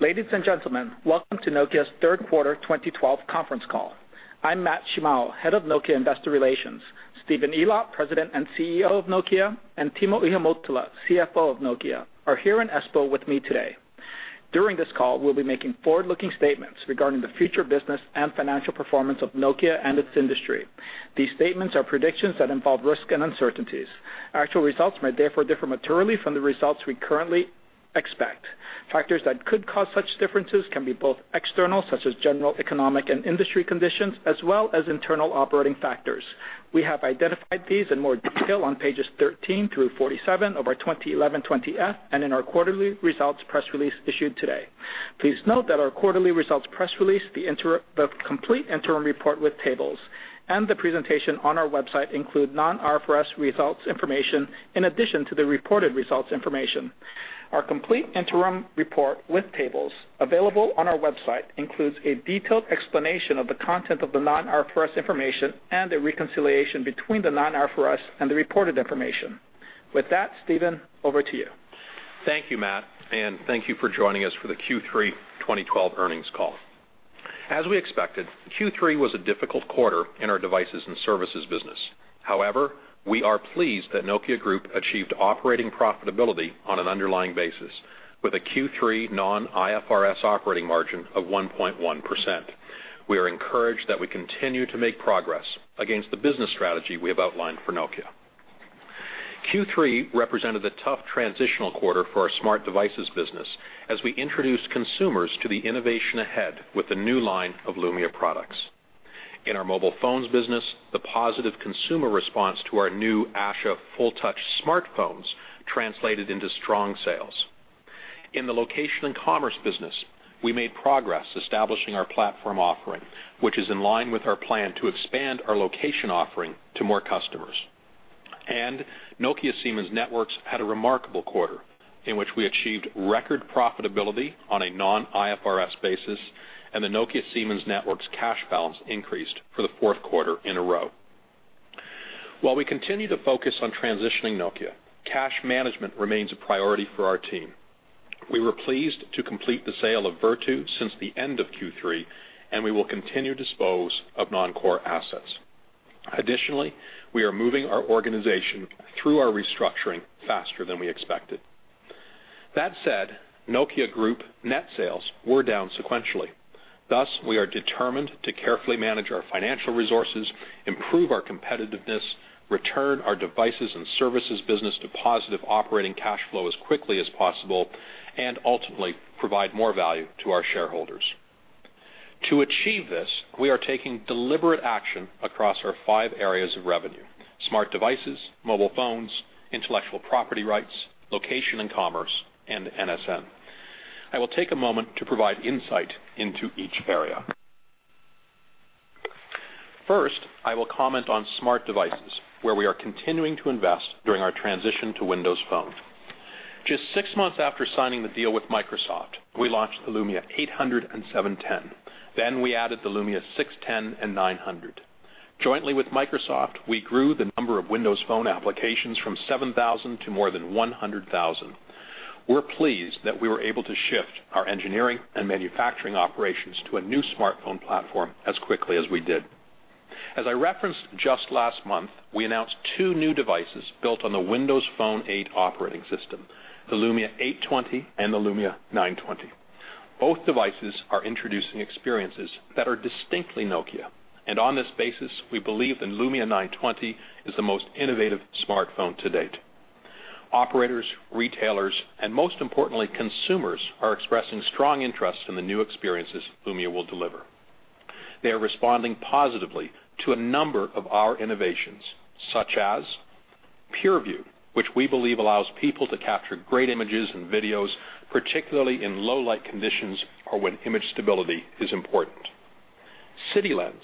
Ladies and gentlemen, welcome to Nokia's third quarter 2012 conference call. I'm Matt Shimao, head of Nokia Investor Relations. Stephen Elop, president and CEO of Nokia, and Timo Ihamuotila, CFO of Nokia, are here in Espoo with me today. During this call, we'll be making forward-looking statements regarding the future business and financial performance of Nokia and its industry. These statements are predictions that involve risk and uncertainties. Actual results may therefore differ materially from the results we currently expect. Factors that could cause such differences can be both external, such as general economic and industry conditions, as well as internal operating factors. We have identified these in more detail on pages 13 through 47 of our 2011 20-F and in our quarterly results press release issued today. Please note that our quarterly results press release, the complete interim report with tables, and the presentation on our website include non-IFRS results information in addition to the reported results information. Our complete interim report with tables, available on our website, includes a detailed explanation of the content of the non-IFRS information and a reconciliation between the non-IFRS and the reported information. With that, Stephen, over to you. Thank you, Matt, and thank you for joining us for the Q3 2012 earnings call. As we expected, Q3 was a difficult quarter in our Devices and Services business. However, we are pleased that Nokia Group achieved operating profitability on an underlying basis, with a Q3 non-IFRS operating margin of 1.1%. We are encouraged that we continue to make progress against the business strategy we have outlined for Nokia. Q3 represented the tough transitional quarter for our Smart Devices business as we introduced consumers to the innovation ahead with the new line of Lumia products. In our Mobile Phones business, the positive consumer response to our new Asha full-touch smartphones translated into strong sales. In the location and commerce business, we made progress establishing our platform offering, which is in line with our plan to expand our location offering to more customers. Nokia Siemens Networks had a remarkable quarter in which we achieved record profitability on a Non-IFRS basis, and the Nokia Siemens Networks cash balance increased for the fourth quarter in a row. While we continue to focus on transitioning Nokia, cash management remains a priority for our team. We were pleased to complete the sale of Vertu since the end of Q3, and we will continue to dispose of non-core assets. Additionally, we are moving our organization through our restructuring faster than we expected. That said, Nokia Group net sales were down sequentially. Thus, we are determined to carefully manage our financial resources, improve our competitiveness, return our Devices and Services business to positive operating cash flow as quickly as possible, and ultimately provide more value to our shareholders. To achieve this, we are taking deliberate action across our five areas of revenue: Smart Devices, Mobile Phones, intellectual property rights, location and commerce, and NSN. I will take a moment to provide insight into each area. First, I will comment on Smart Devices, where we are continuing to invest during our transition to Windows Phone. Just six months after signing the deal with Microsoft, we launched the Lumia 800 and 710. Then we added the Lumia 610 and 900. Jointly with Microsoft, we grew the number of Windows Phone applications from 7,000 to more than 100,000. We're pleased that we were able to shift our engineering and manufacturing operations to a new smartphone platform as quickly as we did. As I referenced just last month, we announced two new devices built on the Windows Phone 8 operating system, the Lumia 820 and the Lumia 920. Both devices are introducing experiences that are distinctly Nokia, and on this basis, we believe the Lumia 920 is the most innovative smartphone to date. Operators, retailers, and most importantly, consumers are expressing strong interest in the new experiences Lumia will deliver. They are responding positively to a number of our innovations, such as: PureView, which we believe allows people to capture great images and videos, particularly in low-light conditions or when image stability is important. City Lens,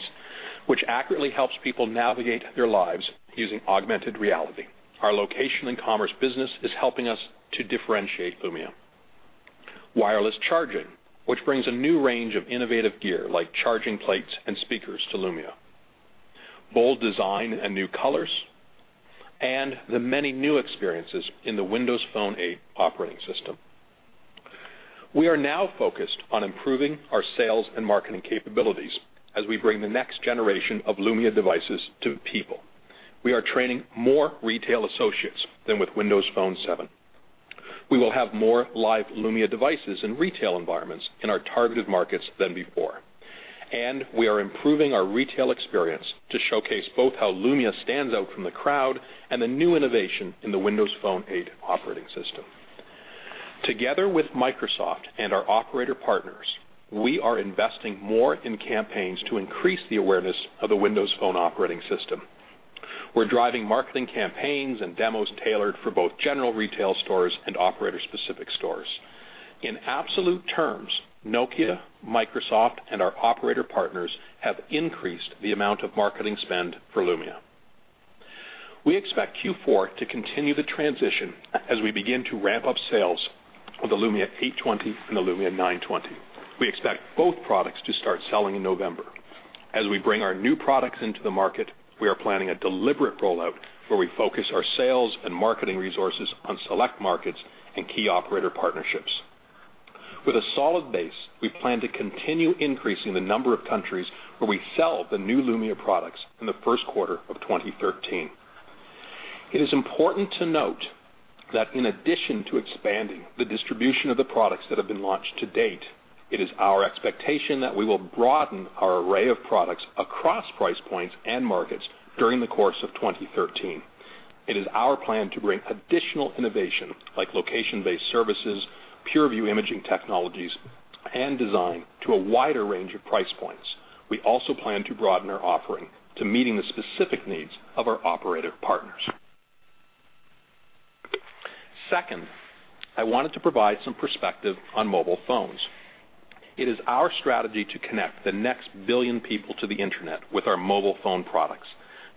which accurately helps people navigate their lives using augmented reality. Our location and commerce business is helping us to differentiate Lumia. Wireless charging, which brings a new range of innovative gear like charging plates and speakers to Lumia. Bold design and new colors. And the many new experiences in the Windows Phone 8 operating system. We are now focused on improving our sales and marketing capabilities as we bring the next generation of Lumia devices to people. We are training more retail associates than with Windows Phone 7. We will have more live Lumia devices in retail environments in our targeted markets than before. We are improving our retail experience to showcase both how Lumia stands out from the crowd and the new innovation in the Windows Phone 8 operating system. Together with Microsoft and our operator partners, we are investing more in campaigns to increase the awareness of the Windows Phone operating system. We're driving marketing campaigns and demos tailored for both general retail stores and operator-specific stores. In absolute terms, Nokia, Microsoft, and our operator partners have increased the amount of marketing spend for Lumia. We expect Q4 to continue the transition as we begin to ramp up sales of the Lumia 820 and the Lumia 920. We expect both products to start selling in November. As we bring our new products into the market, we are planning a deliberate rollout where we focus our sales and marketing resources on select markets and key operator partnerships. With a solid base, we plan to continue increasing the number of countries where we sell the new Lumia products in the first quarter of 2013. It is important to note that in addition to expanding the distribution of the products that have been launched to date, it is our expectation that we will broaden our array of products across price points and markets during the course of 2013. It is our plan to bring additional innovation like location-based services, PureView imaging technologies, and design to a wider range of price points. We also plan to broaden our offering to meeting the specific needs of our operator partners. Second, I wanted to provide some perspective on Mobile Phones. It is our strategy to connect the next billion people to the internet with our mobile phone products.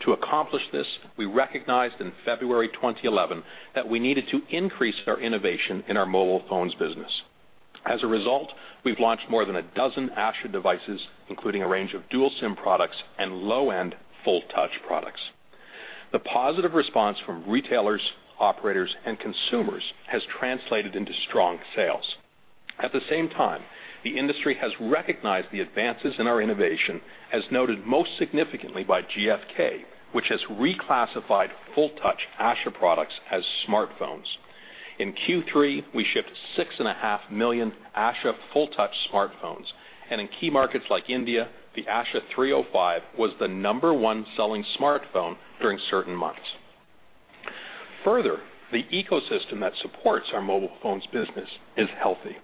To accomplish this, we recognized in February 2011 that we needed to increase our innovation in our Mobile Phones business. As a result, we've launched more than a dozen Asha devices, including a range of dual SIM products and low-end full-touch products. The positive response from retailers, operators, and consumers has translated into strong sales. At the same time, the industry has recognized the advances in our innovation, as noted most significantly by GfK, which has reclassified full-touch Asha products as smartphones. In Q3, we shipped 6.5 million Asha full-touch smartphones, and in key markets like India, the Asha 305 was the number one selling smartphone during certain months. Further, the ecosystem that supports our Mobile Phones business is healthy.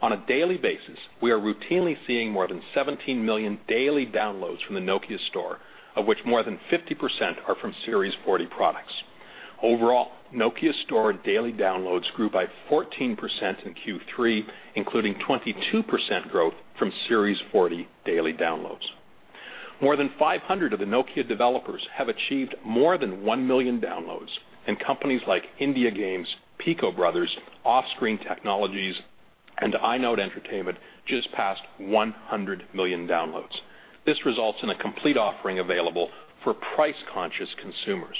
On a daily basis, we are routinely seeing more than 17 million daily downloads from the Nokia Store, of which more than 50% are from Series 40 products. Overall, Nokia Store daily downloads grew by 14% in Q3, including 22% growth from Series 40 daily downloads. More than 500 of the Nokia developers have achieved more than 1 million downloads, and companies like Indiagames, Pico Brothers, Offscreen Technologies, and Inode Entertainment just passed 100 million downloads. This results in a complete offering available for price-conscious consumers.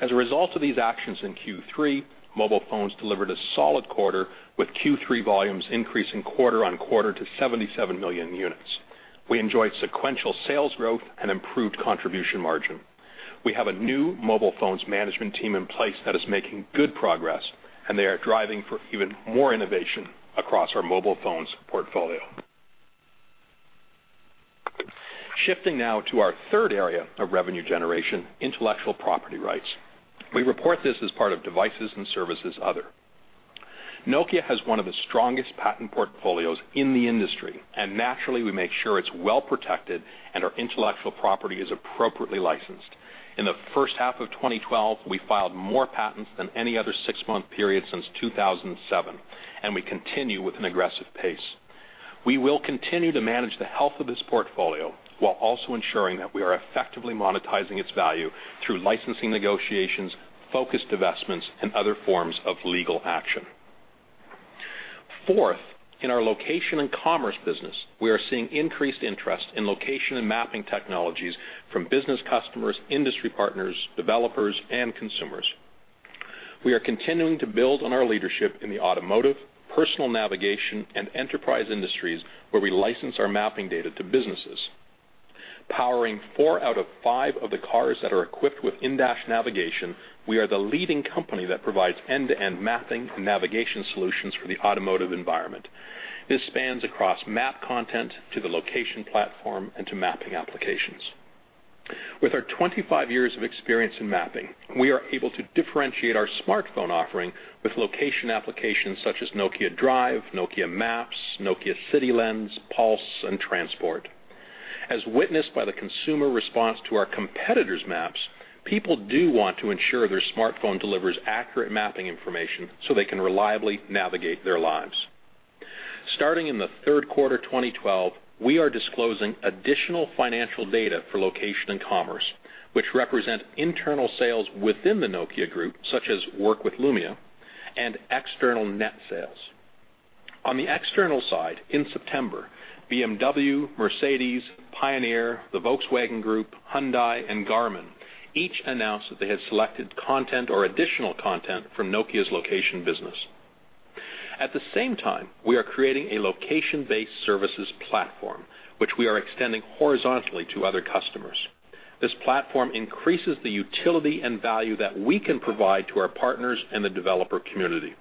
As a result of these actions in Q3, Mobile Phones delivered a solid quarter, with Q3 volumes increasing quarter-over-quarter to 77 million units. We enjoyed sequential sales growth and improved contribution margin. We have a new Mobile Phones management team in place that is making good progress, and they are driving for even more innovation across our Mobile Phones portfolio. Shifting now to our third area of revenue generation: intellectual property rights. We report this as part of Devices and Services other. Nokia has one of the strongest patent portfolios in the industry, and naturally, we make sure it's well protected and our intellectual property is appropriately licensed. In the first half of 2012, we filed more patents than any other six-month period since 2007, and we continue with an aggressive pace. We will continue to manage the health of this portfolio while also ensuring that we are effectively monetizing its value through licensing negotiations, focused investments, and other forms of legal action. Fourth, in our location and commerce business, we are seeing increased interest in location and mapping technologies from business customers, industry partners, developers, and consumers. We are continuing to build on our leadership in the automotive, personal navigation, and enterprise industries where we license our mapping data to businesses. Powering four out of five of the cars that are equipped with in-dash navigation, we are the leading company that provides end-to-end mapping and navigation solutions for the automotive environment. This spans across map content to the location platform and to mapping applications. With our 25 years of experience in mapping, we are able to differentiate our smartphone offering with location applications such as Nokia Drive, Nokia Maps, Nokia City Lens, Pulse, and Transport. As witnessed by the consumer response to our competitors' maps, people do want to ensure their smartphone delivers accurate mapping information so they can reliably navigate their lives. Starting in the third quarter 2012, we are disclosing additional financial data for location and commerce, which represent internal sales within the Nokia Group, such as work with Lumia, and external net sales. On the external side, in September, BMW, Mercedes, Pioneer, the Volkswagen Group, Hyundai, and Garmin each announced that they had selected content or additional content from Nokia's location business. At the same time, we are creating a location-based services platform, which we are extending horizontally to other customers. This platform increases the utility and value that we can provide to our partners and the developer community.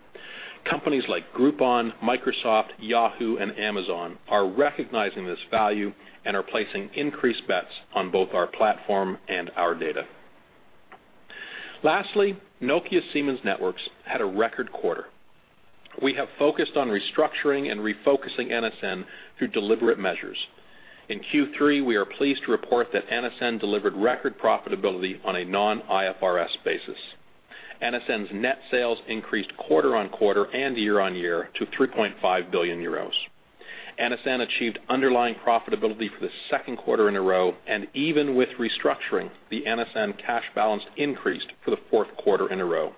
Companies like Groupon, Microsoft, Yahoo, and Amazon are recognizing this value and are placing increased bets on both our platform and our data. Lastly, Nokia Siemens Networks had a record quarter. We have focused on restructuring and refocusing NSN through deliberate measures. In Q3, we are pleased to report that NSN delivered record profitability on a Non-IFRS basis. NSN's net sales increased quarter-on-quarter and year-on-year to 3.5 billion euros. NSN achieved underlying profitability for the second quarter in a row, and even with restructuring, the NSN cash balance increased for the fourth quarter in a row.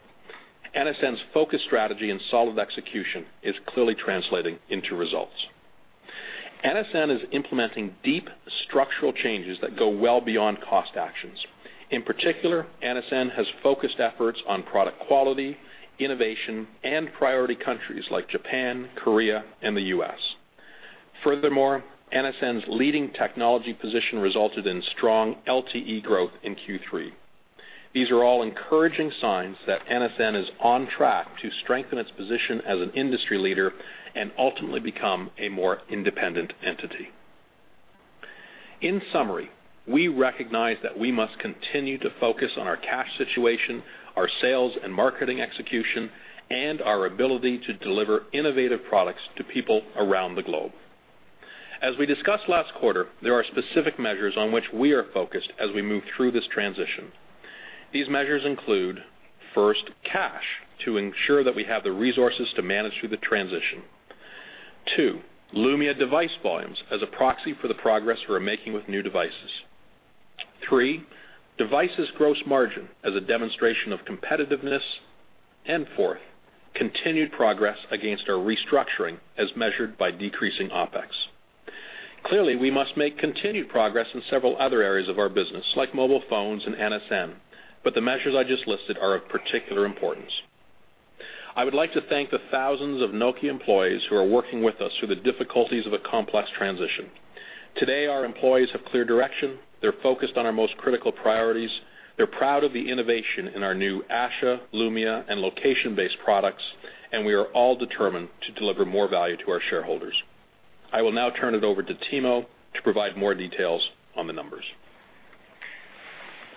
NSN's focused strategy and solid execution is clearly translating into results. NSN is implementing deep structural changes that go well beyond cost actions. In particular, NSN has focused efforts on product quality, innovation, and priority countries like Japan, Korea, and the US. Furthermore, NSN's leading technology position resulted in strong LTE growth in Q3. These are all encouraging signs that NSN is on track to strengthen its position as an industry leader and ultimately become a more independent entity. In summary, we recognize that we must continue to focus on our cash situation, our sales and marketing execution, and our ability to deliver innovative products to people around the globe. As we discussed last quarter, there are specific measures on which we are focused as we move through this transition. These measures include: First, cash to ensure that we have the resources to manage through the transition. Two, Lumia device volumes as a proxy for the progress we're making with new devices. Three, devices gross margin as a demonstration of competitiveness. And fourth, continued progress against our restructuring as measured by decreasing OPEX. Clearly, we must make continued progress in several other areas of our business, like Mobile Phones and NSN, but the measures I just listed are of particular importance. I would like to thank the thousands of Nokia employees who are working with us through the difficulties of a complex transition. Today, our employees have clear direction, they're focused on our most critical priorities, they're proud of the innovation in our new Asha, Lumia, and location-based products, and we are all determined to deliver more value to our shareholders. I will now turn it over to Timo to provide more details on the numbers.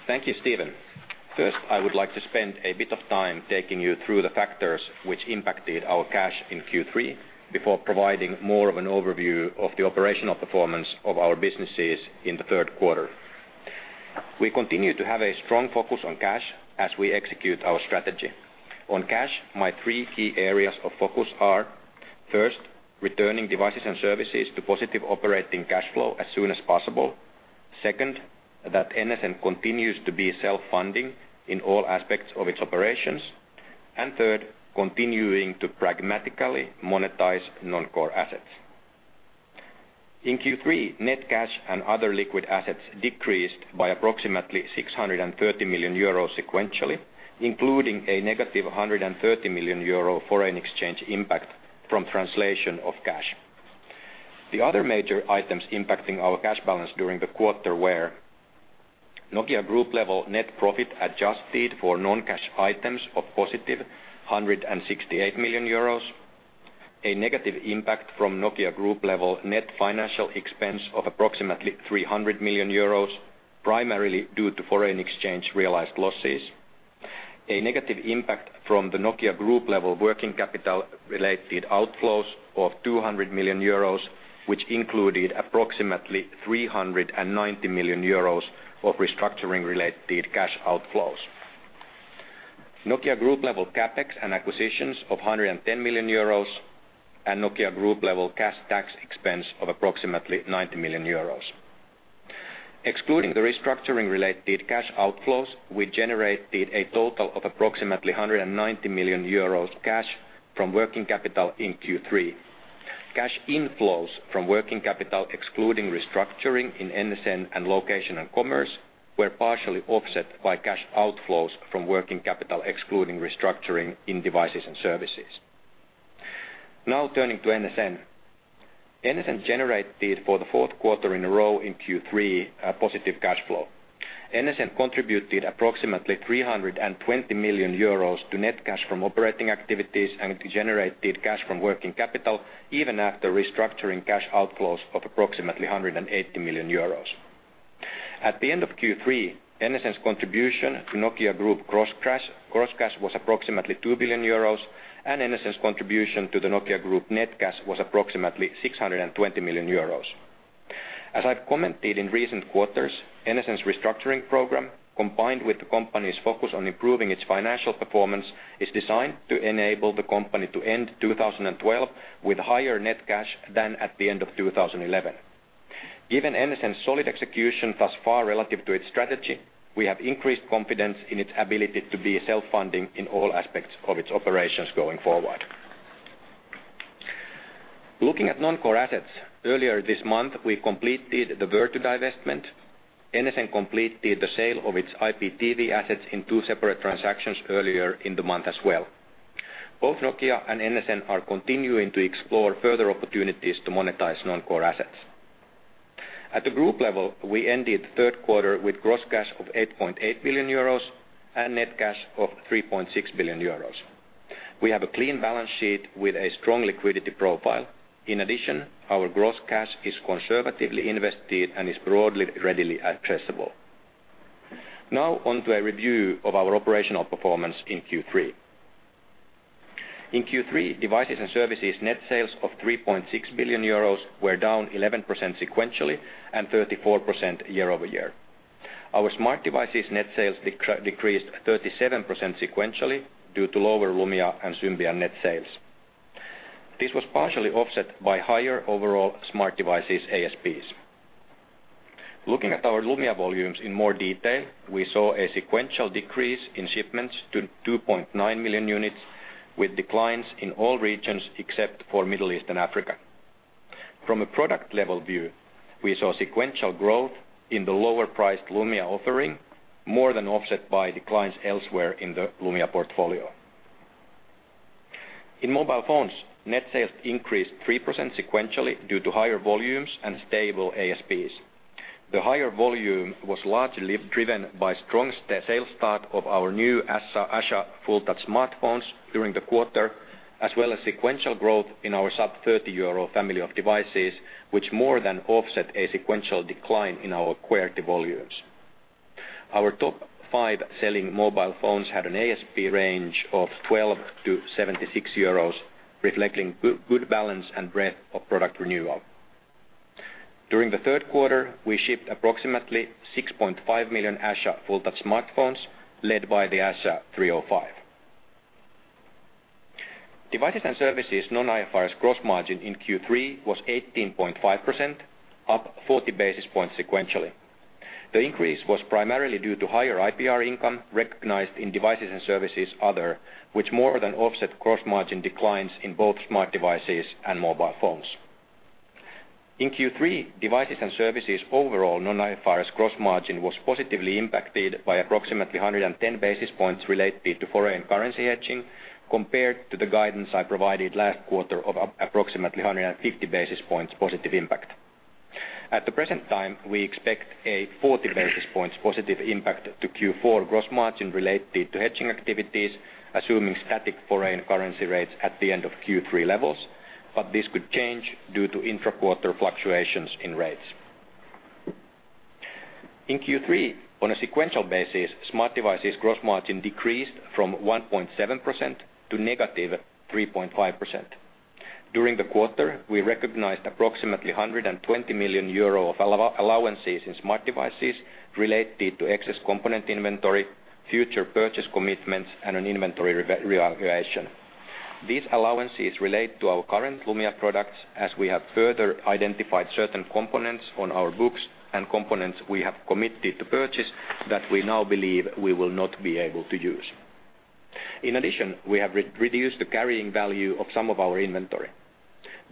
Thank you, Stephen. First, I would like to spend a bit of time taking you through the factors which impacted our cash in Q3 before providing more of an overview of the operational performance of our businesses in the third quarter. We continue to have a strong focus on cash as we execute our strategy. On cash, my three key areas of focus are: First, returning Devices and Services to positive operating cash flow as soon as possible. Second, that NSN continues to be self-funding in all aspects of its operations. And third, continuing to pragmatically monetize non-core assets. In Q3, net cash and other liquid assets decreased by approximately 630 million euros sequentially, including a negative 130 million euro foreign exchange impact from translation of cash. The other major items impacting our cash balance during the quarter were: Nokia Group level net profit adjusted for non-cash items of positive 168 million euros. A negative impact from Nokia Group level net financial expense of approximately 300 million euros, primarily due to foreign exchange realized losses. A negative impact from the Nokia Group level working capital related outflows of 200 million euros, which included approximately 390 million euros of restructuring related cash outflows. Nokia Group-level CapEx and acquisitions of 110 million euros, and Nokia Group-level cash tax expense of approximately 90 million euros. Excluding the restructuring-related cash outflows, we generated a total of approximately 190 million euros cash from working capital in Q3. Cash inflows from working capital excluding restructuring in NSN and location and commerce were partially offset by cash outflows from working capital excluding restructuring in Devices and Services. Now turning to NSN. NSN generated for the fourth quarter in a row in Q3 positive cash flow. NSN contributed approximately 320 million euros to net cash from operating activities and generated cash from working capital even after restructuring cash outflows of approximately 180 million euros. At the end of Q3, NSN's contribution to Nokia Group gross cash was approximately 2 billion euros, and NSN's contribution to the Nokia Group net cash was approximately 620 million euros. As I've commented in recent quarters, NSN's restructuring program, combined with the company's focus on improving its financial performance, is designed to enable the company to end 2012 with higher net cash than at the end of 2011. Given NSN's solid execution thus far relative to its strategy, we have increased confidence in its ability to be self-funding in all aspects of its operations going forward. Looking at non-core assets, earlier this month we completed the Vertu investment. NSN completed the sale of its IPTV assets in two separate transactions earlier in the month as well. Both Nokia and NSN are continuing to explore further opportunities to monetize non-core assets. At the group level, we ended third quarter with gross cash of 8.8 billion euros and net cash of 3.6 billion euros. We have a clean balance sheet with a strong liquidity profile. In addition, our gross cash is conservatively invested and is broadly readily accessible. Now onto a review of our operational performance in Q3. In Q3, Devices and Services net sales of 3.6 billion euros were down 11% sequentially and 34% year-over-year. Our Smart Devices net sales decreased 37% sequentially due to lower Lumia and Symbian net sales. This was partially offset by higher overall Smart Devices ASPs. Looking at our Lumia volumes in more detail, we saw a sequential decrease in shipments to 2.9 million units with declines in all regions except for Middle East and Africa. From a product level view, we saw sequential growth in the lower priced Lumia offering, more than offset by declines elsewhere in the Lumia portfolio. In Mobile Phones, net sales increased 3% sequentially due to higher volumes and stable ASPs. The higher volume was largely driven by strong sales start of our new Asha full touch smartphones during the quarter, as well as sequential growth in our sub-30 EUR family of devices, which more than offset a sequential decline in our QWERTY volumes. Our top five selling Mobile Phones had an ASP range of 12-76 euros, reflecting good balance and breadth of product renewal. During the third quarter, we shipped approximately 6.5 million Asha full touch smartphones led by the Asha 305. Devices and services non-IFRS gross margin in Q3 was 18.5%, up 40 basis points sequentially. The increase was primarily due to higher IPR income recognized in Devices and Services other, which more than offset gross margin declines in both Smart Devices and Mobile Phones. In Q3, Devices and Services overall Non-IFRS gross margin was positively impacted by approximately 110 basis points related to foreign currency hedging compared to the guidance I provided last quarter of approximately 150 basis points positive impact. At the present time, we expect a 40 basis points positive impact to Q4 gross margin related to hedging activities, assuming static foreign currency rates at the end of Q3 levels, but this could change due to intra-quarter fluctuations in rates. In Q3, on a sequential basis, Smart Devices gross margin decreased from 1.7% to -3.5%. During the quarter, we recognized approximately 120 million euro of allowances in Smart Devices related to excess component inventory, future purchase commitments, and an inventory revaluation. These allowances relate to our current Lumia products, as we have further identified certain components on our books and components we have committed to purchase that we now believe we will not be able to use. In addition, we have reduced the carrying value of some of our inventory.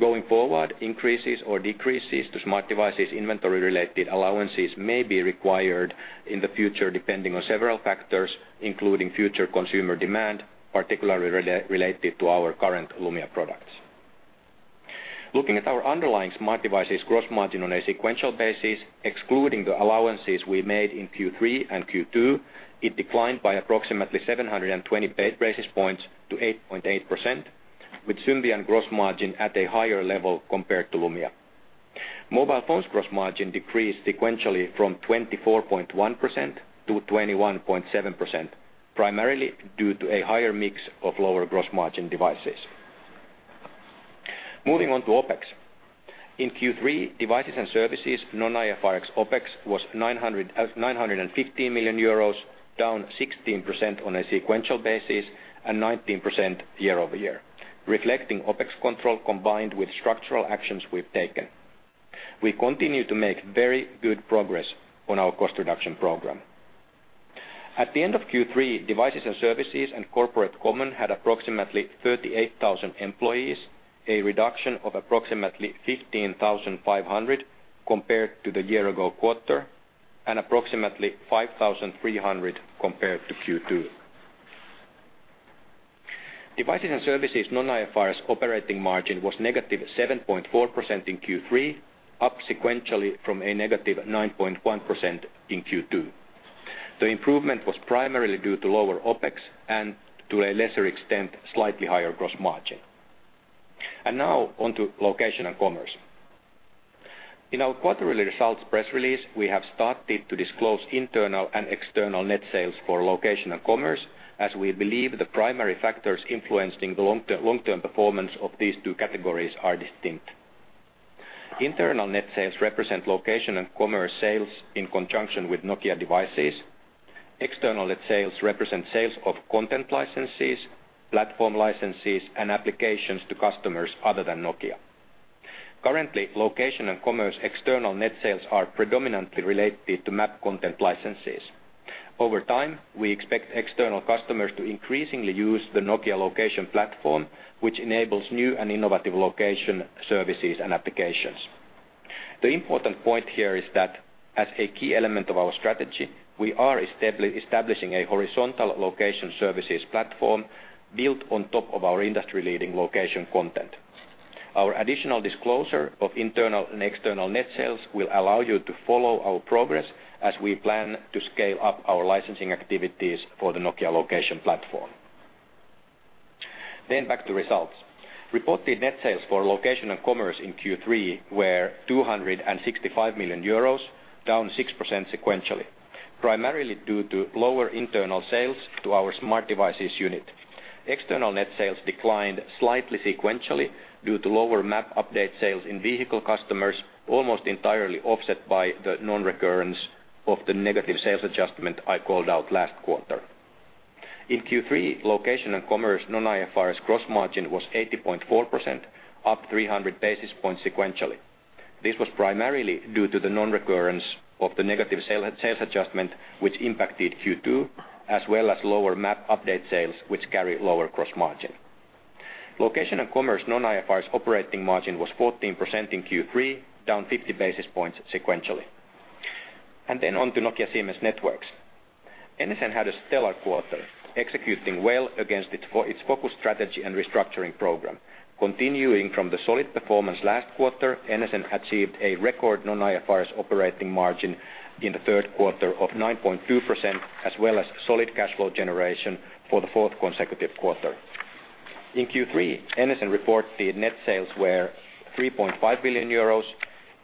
Going forward, increases or decreases to Smart Devices inventory related allowances may be required in the future depending on several factors, including future consumer demand, particularly related to our current Lumia products. Looking at our underlying Smart Devices gross margin on a sequential basis, excluding the allowances we made in Q3 and Q2, it declined by approximately 720 basis points to 8.8%, with Symbian gross margin at a higher level compared to Lumia. Mobile phones gross margin decreased sequentially from 24.1%-21.7%, primarily due to a higher mix of lower gross margin devices. Moving on to OPEX. In Q3, Devices and Services non-IFRS OPEX was 915 million euros, down 16% on a sequential basis and 19% year-over-year, reflecting OPEX control combined with structural actions we've taken. We continue to make very good progress on our cost reduction program. At the end of Q3, Devices and Services and corporate common had approximately 38,000 employees, a reduction of approximately 15,500 compared to the year ago quarter, and approximately 5,300 compared to Q2. Devices and services non-IFRS operating margin was -7.4% in Q3, up sequentially from a -9.1% in Q2. The improvement was primarily due to lower OPEX and to a lesser extent slightly higher gross margin. And now onto location and commerce. In our quarterly results press release, we have started to disclose internal and external net sales for location and commerce, as we believe the primary factors influencing the long-term performance of these two categories are distinct. Internal net sales represent location and commerce sales in conjunction with Nokia devices. External net sales represent sales of content licenses, platform licenses, and applications to customers other than Nokia. Currently, location and commerce external net sales are predominantly related to map content licenses. Over time, we expect external customers to increasingly use the Nokia location platform, which enables new and innovative location services and applications. The important point here is that, as a key element of our strategy, we are establishing a horizontal location services platform built on top of our industry leading location content. Our additional disclosure of internal and external net sales will allow you to follow our progress as we plan to scale up our licensing activities for the Nokia location platform. Then back to results. Reported net sales for location and commerce in Q3 were 265 million euros, down 6% sequentially, primarily due to lower internal sales to our Smart Devices unit. External net sales declined slightly sequentially due to lower map update sales in vehicle customers, almost entirely offset by the non-recurrence of the negative sales adjustment I called out last quarter. In Q3, location and commerce non-IFRS gross margin was 80.4%, up 300 basis points sequentially. This was primarily due to the non-recurrence of the negative sales adjustment, which impacted Q2, as well as lower map update sales, which carry lower gross margin. Location and commerce non-IFRS operating margin was 14% in Q3, down 50 basis points sequentially. Onto Nokia Siemens Networks. NSN had a stellar quarter executing well against its focus strategy and restructuring program. Continuing from the solid performance last quarter, NSN achieved a record non-IFRS operating margin in the third quarter of 9.2%, as well as solid cash flow generation for the fourth consecutive quarter. In Q3, NSN reported net sales were 3.5 billion euros,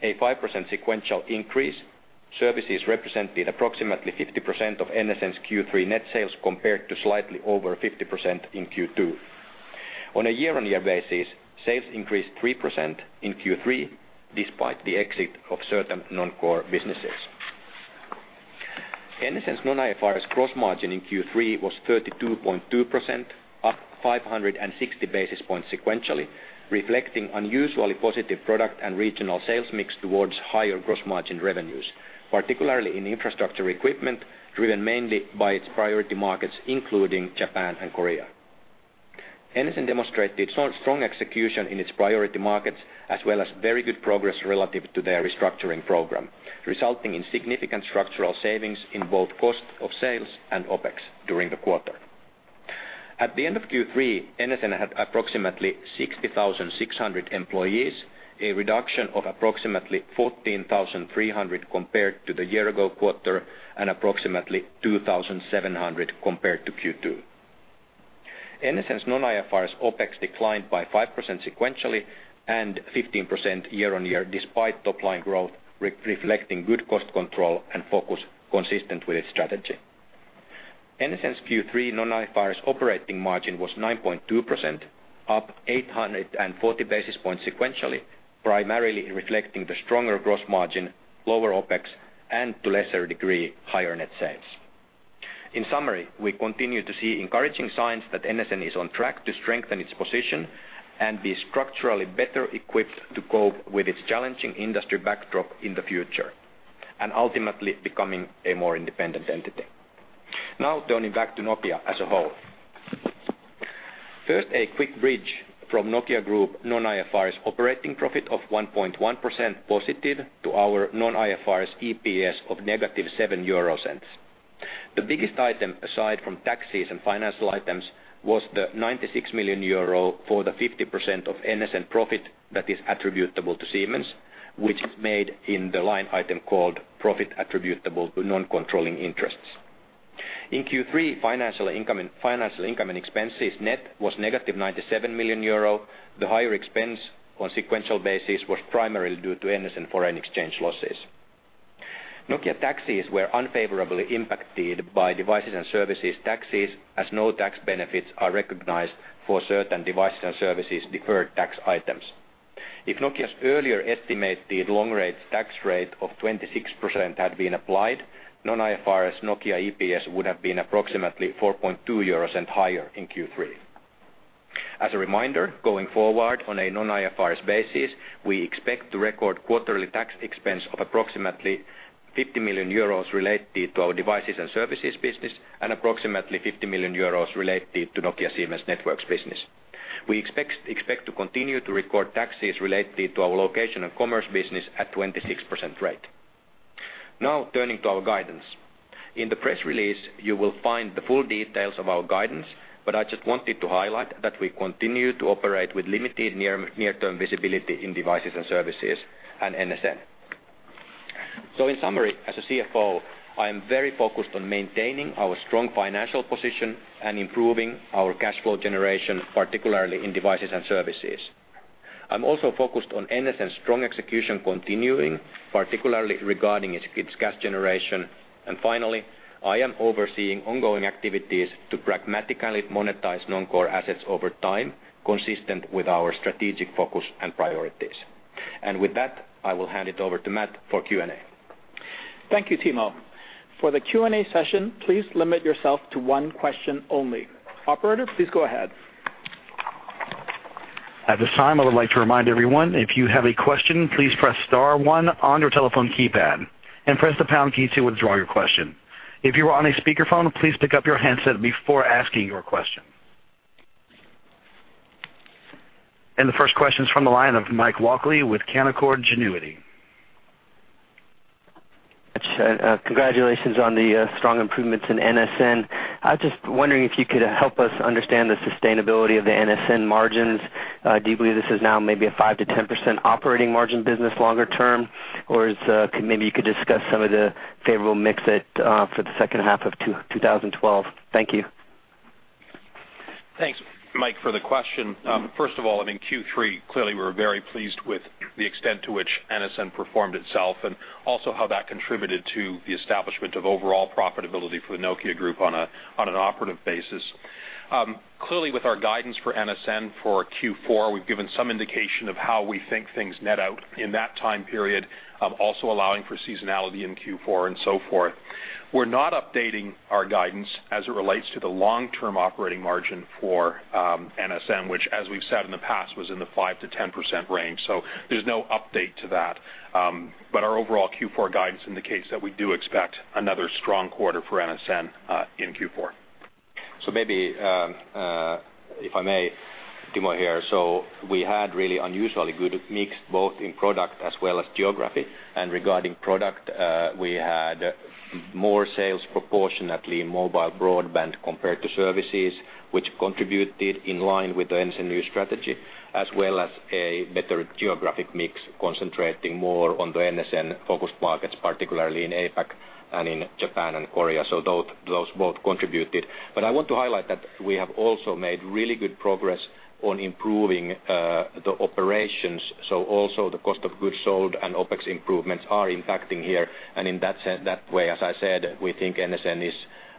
a 5% sequential increase. Services represented approximately 50% of NSN's Q3 net sales compared to slightly over 50% in Q2. On a year-on-year basis, sales increased 3% in Q3 despite the exit of certain non-core businesses. NSN's non-IFRS gross margin in Q3 was 32.2%, up 560 basis points sequentially, reflecting unusually positive product and regional sales mix towards higher gross margin revenues, particularly in infrastructure equipment driven mainly by its priority markets, including Japan and Korea. NSN demonstrated strong execution in its priority markets, as well as very good progress relative to their restructuring program, resulting in significant structural savings in both cost of sales and OPEX during the quarter. At the end of Q3, NSN had approximately 60,600 employees, a reduction of approximately 14,300 compared to the year-ago quarter and approximately 2,700 compared to Q2. NSN's non-IFRS OPEX declined by 5% sequentially and 15% year-on-year despite top line growth, reflecting good cost control and focus consistent with its strategy. NSN's Q3 non-IFRS operating margin was 9.2%, up 840 basis points sequentially, primarily reflecting the stronger gross margin, lower OPEX, and to lesser degree higher net sales. In summary, we continue to see encouraging signs that NSN is on track to strengthen its position and be structurally better equipped to cope with its challenging industry backdrop in the future and ultimately becoming a more independent entity. Now turning back to Nokia as a whole. First, a quick bridge from Nokia Group non-IFRS operating profit of +1.1% to our non-IFRS EPS of -0.07. The biggest item, aside from taxes and financial items, was the 96 million euro for the 50% of NSN profit that is attributable to Siemens, which is made in the line item called profit attributable to non-controlling interests. In Q3, financial income and expenses net was -97 million euro. The higher expense on sequential basis was primarily due to NSN foreign exchange losses. Nokia taxes were unfavorably impacted by Devices and Services taxes as no tax benefits are recognized for certain Devices and Services deferred tax items. If Nokia's earlier estimated long-term tax rate of 26% had been applied, Non-IFRS Nokia EPS would have been approximately 0.042 higher in Q3. As a reminder, going forward on a Non-IFRS basis, we expect to record quarterly tax expense of approximately 50 million euros related to our Devices and Services business and approximately 50 million euros related to Nokia Siemens Networks business. We expect to continue to record taxes related to our location and commerce business at 26% rate. Now turning to our guidance. In the press release, you will find the full details of our guidance, but I just wanted to highlight that we continue to operate with limited near-term visibility in Devices and Services and NSN. So in summary, as a CFO, I am very focused on maintaining our strong financial position and improving our cash flow generation, particularly in Devices and Services. I'm also focused on NSN's strong execution continuing, particularly regarding its cash generation. And finally, I am overseeing ongoing activities to pragmatically monetize non-core assets over time, consistent with our strategic focus and priorities. And with that, I will hand it over to Matt for Q&A. Thank you, Timo. For the Q&A session, please limit yourself to one question only. Operator, please go ahead. At this time, I would like to remind everyone, if you have a question, please press star one on your telephone keypad and press the pound key to withdraw your question. If you are on a speakerphone, please pick up your handset before asking your question. The first question is from the line of Mike Walkley with Canaccord Genuity. Congratulations on the strong improvements in NSN. I was just wondering if you could help us understand the sustainability of the NSN margins. Do you believe this is now maybe a 5%-10% operating margin business longer term, or maybe you could discuss some of the favorable mix for the second half of 2012? Thank you. Thanks, Mike, for the question. First of all, I mean, Q3, clearly we were very pleased with the extent to which NSN performed itself and also how that contributed to the establishment of overall profitability for the Nokia Group on an operating basis. Clearly, with our guidance for NSN for Q4, we've given some indication of how we think things net out in that time period, also allowing for seasonality in Q4 and so forth. We're not updating our guidance as it relates to the long-term operating margin for NSN, which, as we've said in the past, was in the 5%-10% range. So there's no update to that. But our overall Q4 guidance indicates that we do expect another strong quarter for NSN in Q4. So maybe, if I may, Timo here. So we had really unusually good mix both in product as well as geography. And regarding product, we had more sales proportionately in mobile broadband compared to services, which contributed in line with the NSN new strategy, as well as a better geographic mix concentrating more on the NSN focused markets, particularly in APAC and in Japan and Korea. So those both contributed. But I want to highlight that we have also made really good progress on improving the operations. So also the cost of goods sold and OPEX improvements are impacting here. And in that way, as I said, we think NSN is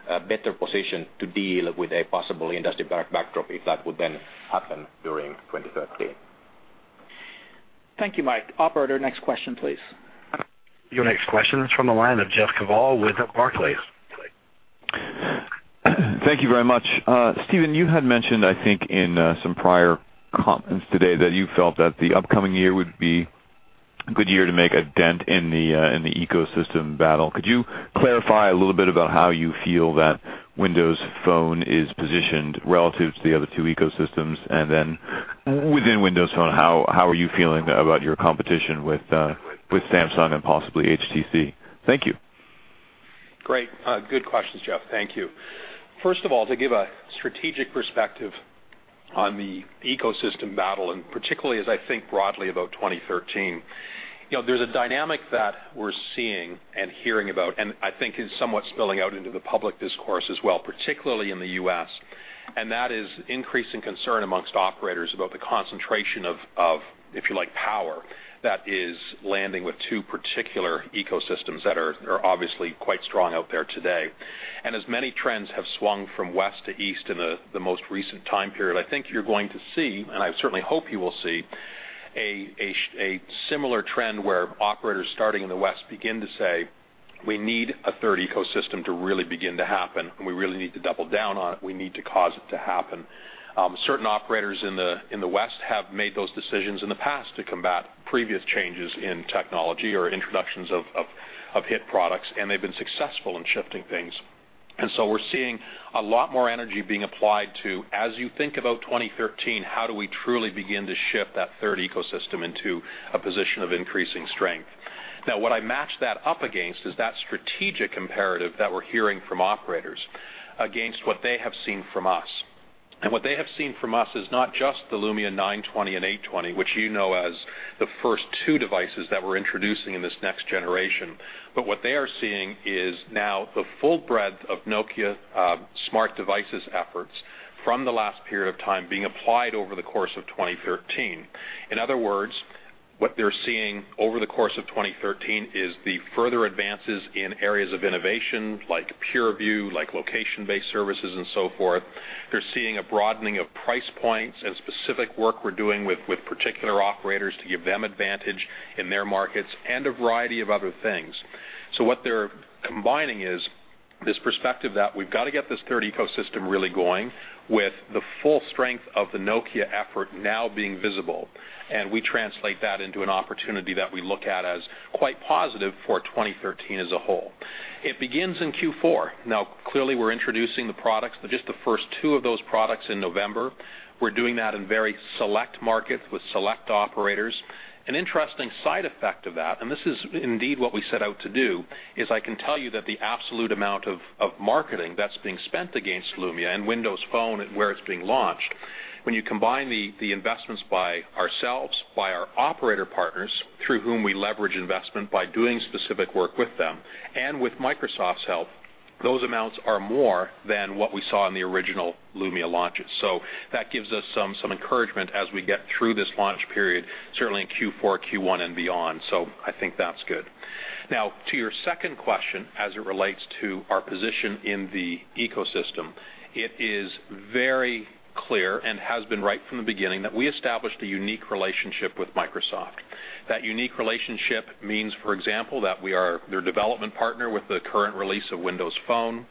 a better position to deal with a possible industry backdrop if that would then happen during 2013. Thank you, Mike. Operator, next question, please. Your next question is from the line of Jeff Kvaal with Barclays. Thank you very much. Stephen, you had mentioned, I think, in some prior comments today that you felt that the upcoming year would be a good year to make a dent in the ecosystem battle. Could you clarify a little bit about how you feel that Windows Phone is positioned relative to the other two ecosystems? And then within Windows Phone, how are you feeling about your competition with Samsung and possibly HTC? Thank you. Great. Good questions, Jeff. Thank you. First of all, to give a strategic perspective on the ecosystem battle, and particularly as I think broadly about 2013, there's a dynamic that we're seeing and hearing about and I think is somewhat spilling out into the public discourse as well, particularly in the US. And that is increasing concern among operators about the concentration of, if you like, power that is landing with two particular ecosystems that are obviously quite strong out there today. And as many trends have swung from West to East in the most recent time period, I think you're going to see, and I certainly hope you will see, a similar trend where operators starting in the West begin to say, "We need a third ecosystem to really begin to happen, and we really need to double down on it. We need to cause it to happen." Certain operators in the West have made those decisions in the past to combat previous changes in technology or introductions of hit products, and they've been successful in shifting things. And so we're seeing a lot more energy being applied to, as you think about 2013, how do we truly begin to shift that third ecosystem into a position of increasing strength? Now, what I match that up against is that strategic imperative that we're hearing from operators against what they have seen from us. And what they have seen from us is not just the Lumia 920 and 820, which you know as the first two devices that we're introducing in this next generation. But what they are seeing is now the full breadth of Nokia Smart Devices efforts from the last period of time being applied over the course of 2013. In other words, what they're seeing over the course of 2013 is the further advances in areas of innovation like PureView, like location-based services, and so forth. They're seeing a broadening of price points and specific work we're doing with particular operators to give them advantage in their markets and a variety of other things. So what they're combining is this perspective that we've got to get this third ecosystem really going with the full strength of the Nokia effort now being visible. And we translate that into an opportunity that we look at as quite positive for 2013 as a whole. It begins in Q4. Now, clearly, we're introducing the products, just the first two of those products in November. We're doing that in very select markets with select operators. An interesting side effect of that, and this is indeed what we set out to do, is I can tell you that the absolute amount of marketing that's being spent against Lumia and Windows Phone where it's being launched, when you combine the investments by ourselves, by our operator partners through whom we leverage investment by doing specific work with them, and with Microsoft's help, those amounts are more than what we saw in the original Lumia launches. So that gives us some encouragement as we get through this launch period, certainly in Q4, Q1, and beyond. So I think that's good. Now, to your second question as it relates to our position in the ecosystem, it is very clear and has been right from the beginning that we established a unique relationship with Microsoft. That unique relationship means, for example, that we are their development partner with the current release of Windows Phone,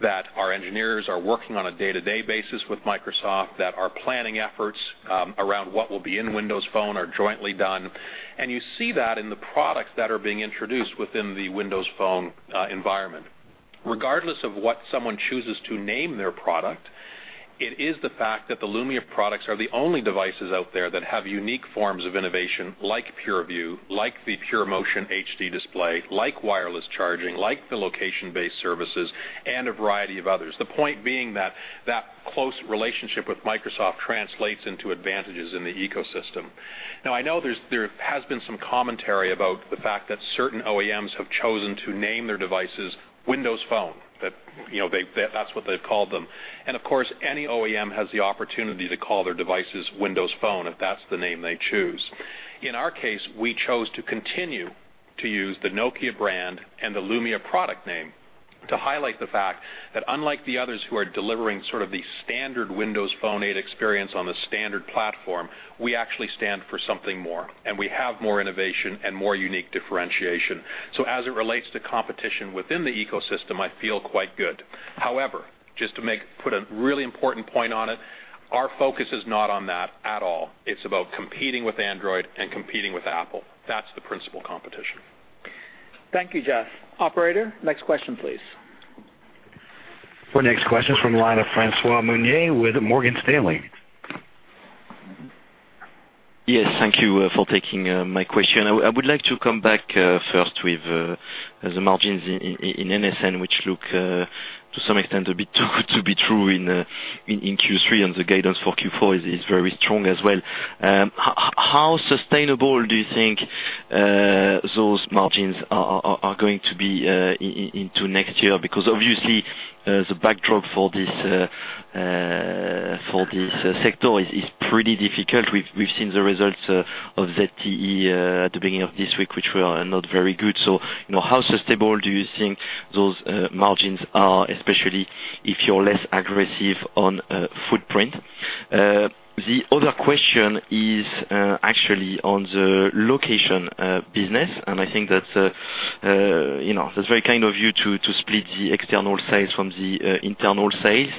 that our engineers are working on a day-to-day basis with Microsoft, that our planning efforts around what will be in Windows Phone are jointly done. And you see that in the products that are being introduced within the Windows Phone environment. Regardless of what someone chooses to name their product, it is the fact that the Lumia products are the only devices out there that have unique forms of innovation like PureView, like the PureMotion HD display, like wireless charging, like the location-based services, and a variety of others. The point being that that close relationship with Microsoft translates into advantages in the ecosystem. Now, I know there has been some commentary about the fact that certain OEMs have chosen to name their devices Windows Phone. That's what they've called them. And of course, any OEM has the opportunity to call their devices Windows Phone if that's the name they choose. In our case, we chose to continue to use the Nokia brand and the Lumia product name to highlight the fact that unlike the others who are delivering sort of the standard Windows Phone 8 experience on the standard platform, we actually stand for something more, and we have more innovation and more unique differentiation. So as it relates to competition within the ecosystem, I feel quite good. However, just to put a really important point on it, our focus is not on that at all. It's about competing with Android and competing with Apple. That's the principal competition. Thank you, Jeff. Operator, next question, please. Our next question is from the line of François Meunier with Morgan Stanley. Yes. Thank you for taking my question. I would like to come back first with the margins in NSN, which look to some extent a bit too good to be true in Q3, and the guidance for Q4 is very strong as well. How sustainable do you think those margins are going to be into next year? Because obviously, the backdrop for this sector is pretty difficult. We've seen the results of ZTE at the beginning of this week, which were not very good. So how sustainable do you think those margins are, especially if you're less aggressive on footprint? The other question is actually on the location business, and I think that's very kind of you to split the external sales from the internal sales.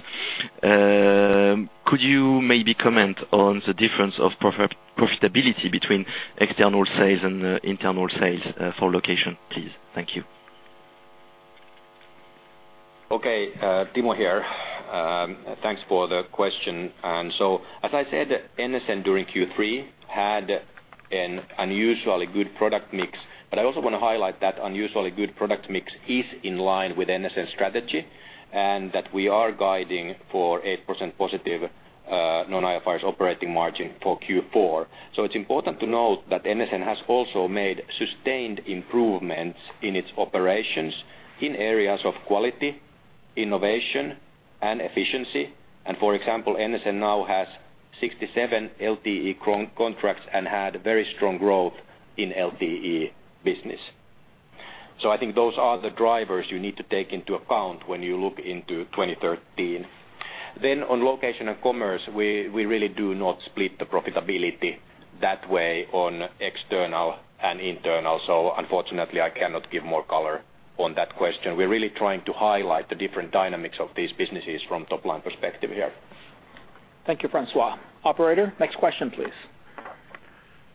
Could you maybe comment on the difference of profitability between external sales and internal sales for location, please? Thank you. Okay. Timo here. Thanks for the question. And so as I said, NSN during Q3 had an unusually good product mix. But I also want to highlight that unusually good product mix is in line with NSN's strategy and that we are guiding for 8% positive Non-IFRS operating margin for Q4. So it's important to note that NSN has also made sustained improvements in its operations in areas of quality, innovation, and efficiency. And for example, NSN now has 67 LTE contracts and had very strong growth in LTE business. So I think those are the drivers you need to take into account when you look into 2013. Then on location and commerce, we really do not split the profitability that way on external and internal. So unfortunately, I cannot give more color on that question. We're really trying to highlight the different dynamics of these businesses from top-line perspective here. Thank you, François. Operator, next question, please.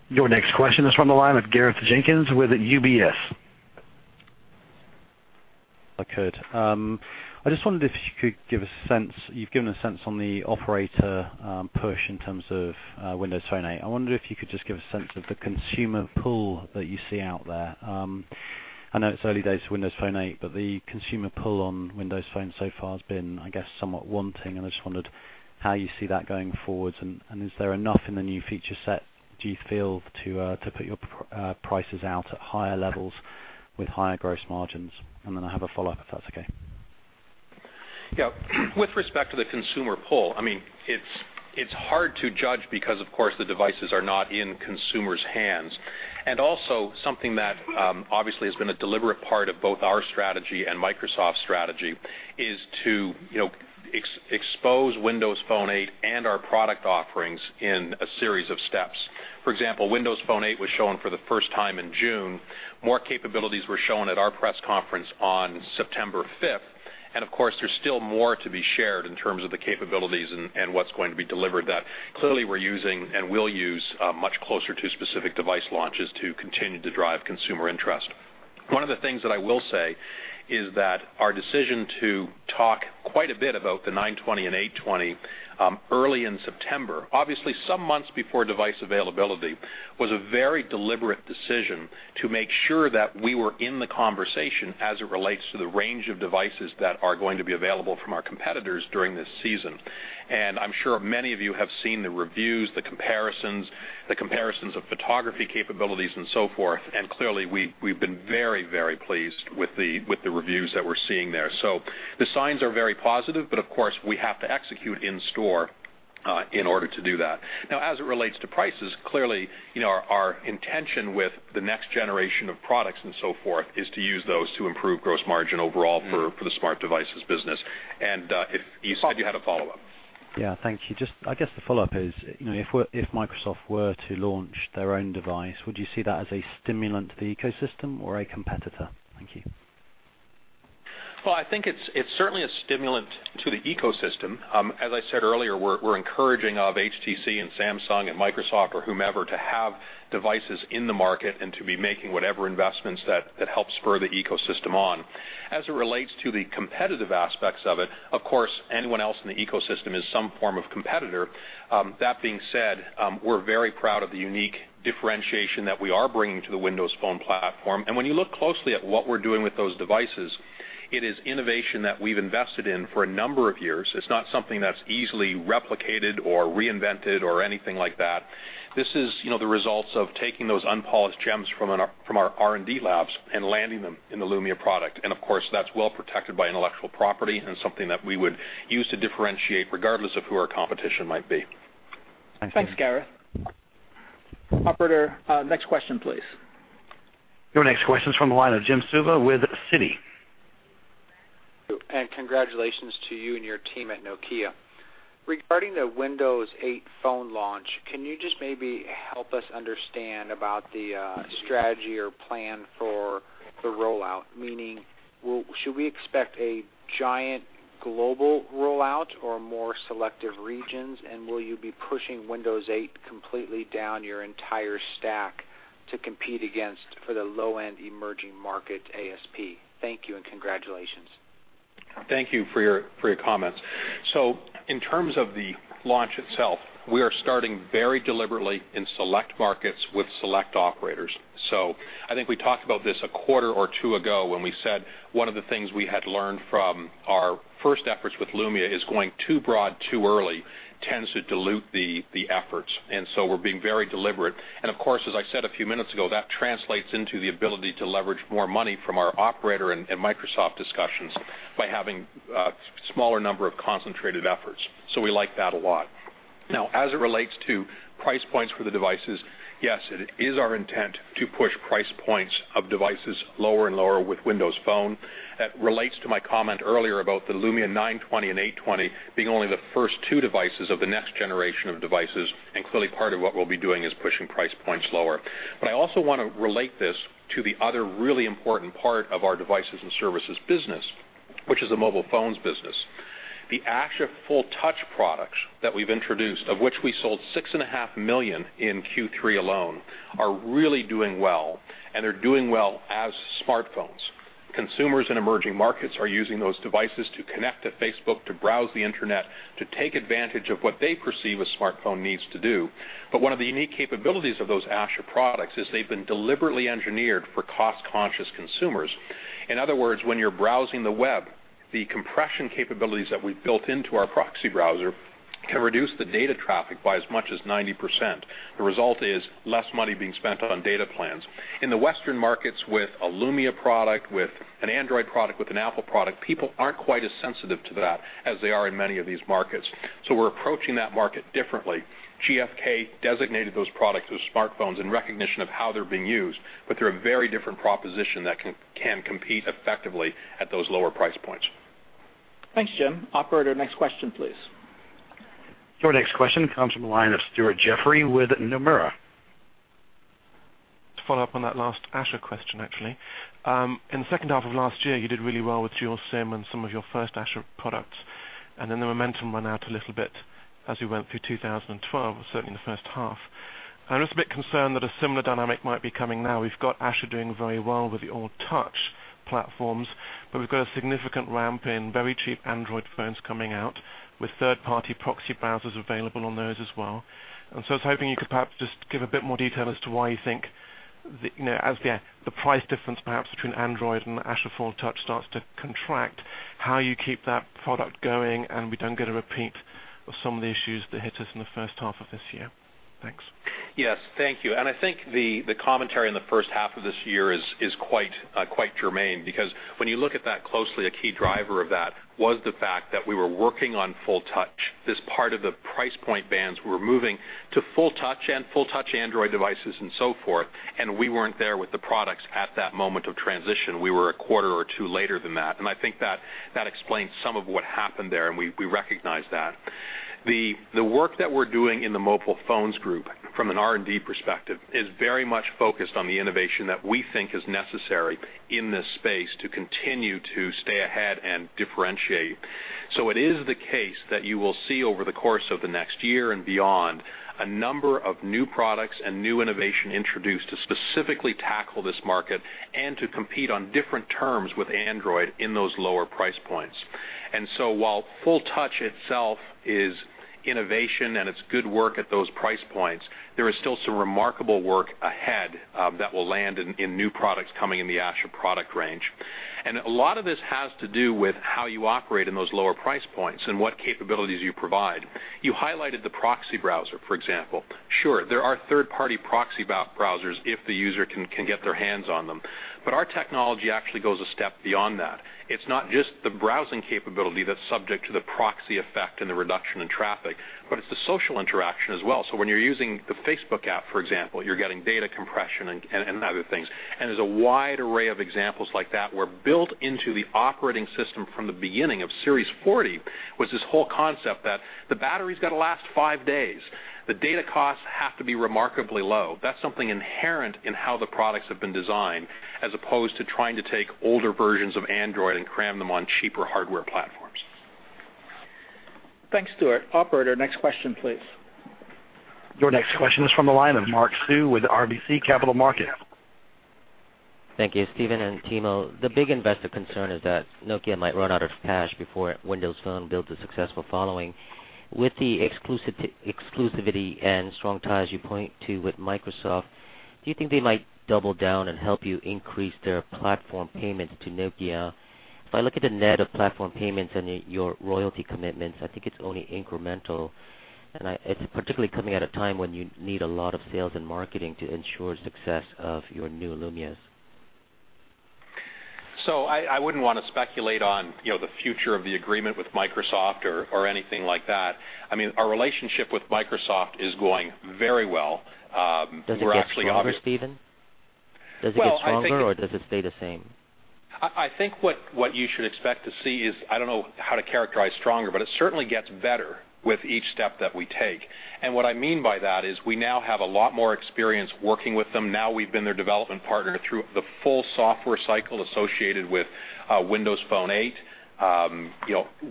Your next question is from the line of Gareth Jenkins with UBS. I just wondered if you could give a sense you've given a sense on the operator push in terms of Windows Phone 8. I wondered if you could just give a sense of the consumer pull that you see out there. I know it's early days for Windows Phone 8, but the consumer pull on Windows Phone so far has been, I guess, somewhat wanting. And I just wondered how you see that going forwards. And is there enough in the new feature set, do you feel, to put your prices out at higher levels with higher gross margins? And then I have a follow-up if that's okay. Yeah. With respect to the consumer pull, I mean, it's hard to judge because, of course, the devices are not in consumers' hands. And also something that obviously has been a deliberate part of both our strategy and Microsoft's strategy is to expose Windows Phone 8 and our product offerings in a series of steps. For example, Windows Phone 8 was shown for the first time in June. More capabilities were shown at our press conference on September 5th. And of course, there's still more to be shared in terms of the capabilities and what's going to be delivered that clearly we're using and will use much closer to specific device launches to continue to drive consumer interest. One of the things that I will say is that our decision to talk quite a bit about the 920 and 820 early in September, obviously some months before device availability, was a very deliberate decision to make sure that we were in the conversation as it relates to the range of devices that are going to be available from our competitors during this season. I'm sure many of you have seen the reviews, the comparisons, the comparisons of photography capabilities, and so forth. Clearly, we've been very, very pleased with the reviews that we're seeing there. The signs are very positive, but of course, we have to execute in-store in order to do that. Now, as it relates to prices, clearly, our intention with the next generation of products and so forth is to use those to improve Gross Margin overall for the Smart Devices business. You said you had a follow-up. Yeah. Thank you. I guess the follow-up is, if Microsoft were to launch their own device, would you see that as a stimulant to the ecosystem or a competitor? Thank you. Well, I think it's certainly a stimulant to the ecosystem. As I said earlier, we're encouraging HTC and Samsung and Microsoft or whomever to have devices in the market and to be making whatever investments that help spur the ecosystem on. As it relates to the competitive aspects of it, of course, anyone else in the ecosystem is some form of competitor. That being said, we're very proud of the unique differentiation that we are bringing to the Windows Phone platform. And when you look closely at what we're doing with those devices, it is innovation that we've invested in for a number of years. It's not something that's easily replicated or reinvented or anything like that. This is the results of taking those unpolished gems from our R&D labs and landing them in the Lumia product. And of course, that's well protected by intellectual property and something that we would use to differentiate regardless of who our competition might be. Thanks. Thanks, Gareth. Operator, next question, please. Your next question is from the line of Jim Suva with Citi. And congratulations to you and your team at Nokia. Regarding the Windows Phone 8 launch, can you just maybe help us understand about the strategy or plan for the rollout? Meaning, should we expect a giant global rollout or more selective regions? And will you be pushing Windows Phone 8 completely down your entire stack to compete against for the low-end emerging market ASP? Thank you and congratulations. Thank you for your comments. So in terms of the launch itself, we are starting very deliberately in select markets with select operators. I think we talked about this a quarter or two ago when we said one of the things we had learned from our first efforts with Lumia is going too broad, too early tends to dilute the efforts. So we're being very deliberate. Of course, as I said a few minutes ago, that translates into the ability to leverage more money from our operator and Microsoft discussions by having a smaller number of concentrated efforts. We like that a lot. Now, as it relates to price points for the devices, yes, it is our intent to push price points of devices lower and lower with Windows Phone. That relates to my comment earlier about the Lumia 920 and 820 being only the first two devices of the next generation of devices. Clearly, part of what we'll be doing is pushing price points lower. But I also want to relate this to the other really important part of our Devices and Services business, which is the Mobile Phones business. The Asha full-touch products that we've introduced, of which we sold 6.5 million in Q3 alone, are really doing well. They're doing well as smartphones. Consumers in emerging markets are using those devices to connect to Facebook, to browse the internet, to take advantage of what they perceive a smartphone needs to do. But one of the unique capabilities of those Asha products is they've been deliberately engineered for cost-conscious consumers. In other words, when you're browsing the web, the compression capabilities that we've built into our proxy browser can reduce the data traffic by as much as 90%. The result is less money being spent on data plans. In the Western markets with a Lumia product, with an Android product, with an Apple product, people aren't quite as sensitive to that as they are in many of these markets. So we're approaching that market differently. GfK designated those products as smartphones in recognition of how they're being used. But they're a very different proposition that can compete effectively at those lower price points. Thanks, Jim. Operator, next question, please. Your next question comes from the line of Stuart Jeffrey with Nomura. To follow up on that last Asha question, actually. In the second half of last year, you did really well with dual-SIM and some of your first Asha products. And then the momentum went out a little bit as we went through 2012, certainly in the first half. And I'm just a bit concerned that a similar dynamic might be coming now. We've got Asha doing very well with the old touch platforms, but we've got a significant ramp in very cheap Android phones coming out with third-party proxy browsers available on those as well. And so I was hoping you could perhaps just give a bit more detail as to why you think as the price difference perhaps between Android and Asha full-touch starts to contract, how you keep that product going and we don't get a repeat of some of the issues that hit us in the first half of this year. Thanks. Yes. Thank you. I think the commentary in the first half of this year is quite germane because when you look at that closely, a key driver of that was the fact that we were working on full-touch. This part of the price point bands we were moving to full-touch and full-touch Android devices and so forth. And we weren't there with the products at that moment of transition. We were a quarter or two later than that. And I think that explains some of what happened there, and we recognize that. The work that we're doing in the Mobile Phones group from an R&D perspective is very much focused on the innovation that we think is necessary in this space to continue to stay ahead and differentiate. So it is the case that you will see over the course of the next year and beyond a number of new products and new innovation introduced to specifically tackle this market and to compete on different terms with Android in those lower price points. And so while full-touch itself is innovation and it's good work at those price points, there is still some remarkable work ahead that will land in new products coming in the Asha product range. And a lot of this has to do with how you operate in those lower price points and what capabilities you provide. You highlighted the proxy browser, for example. Sure, there are third-party proxy browsers if the user can get their hands on them. But our technology actually goes a step beyond that. It's not just the browsing capability that's subject to the proxy effect and the reduction in traffic, but it's the social interaction as well. So when you're using the Facebook app, for example, you're getting data compression and other things. And there's a wide array of examples like that where built into the operating system from the beginning of Series 40 was this whole concept that the battery's got to last five days. The data costs have to be remarkably low. That's something inherent in how the products have been designed as opposed to trying to take older versions of Android and cram them on cheaper hardware platforms. Thanks, Stuart. Operator, next question, please. Your next question is from the line of Mark Sue with RBC Capital Markets. Thank you, Stephen and Timo. The big investor concern is that Nokia might run out of cash before Windows Phone builds a successful following. With the exclusivity and strong ties you point to with Microsoft, do you think they might double down and help you increase their platform payments to Nokia? If I look at the net of platform payments and your royalty commitments, I think it's only incremental. And it's particularly coming at a time when you need a lot of sales and marketing to ensure success of your new Lumias. So I wouldn't want to speculate on the future of the agreement with Microsoft or anything like that. I mean, our relationship with Microsoft is going very well. We're actually obviously. Does it get stronger, Steven? Does it get stronger or does it stay the same? I think what you should expect to see is I don't know how to characterize stronger, but it certainly gets better with each step that we take. What I mean by that is we now have a lot more experience working with them. Now we've been their development partner through the full software cycle associated with Windows Phone 8.